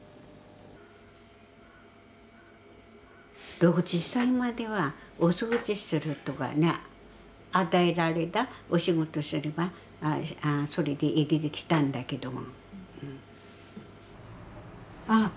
６０歳まではお掃除するとかね与えられたお仕事すればそれで生きてきたんだけども。